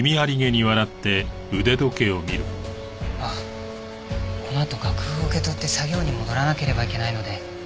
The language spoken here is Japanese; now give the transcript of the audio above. あっこのあと楽譜を受け取って作業に戻らなければいけないので。